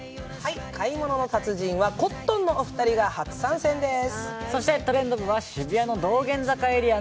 「買い物の達人」はコットンのお二人が初参戦です。